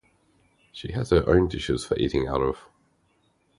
She has her own dishes for eating out of.